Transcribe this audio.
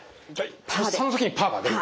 とっさの時にパーが出る。